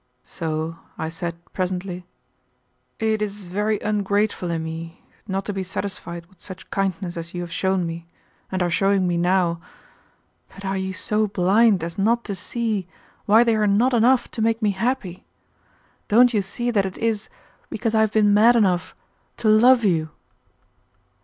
So I said presently, "It is very ungrateful in me not to be satisfied with such kindness as you have shown me, and are showing me now. But are you so blind as not to see why they are not enough to make me happy? Don't you see that it is because I have been mad enough to love you?"